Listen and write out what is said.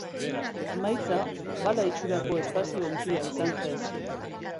Emaitza bala itxurako espazio-ontzia izan zen.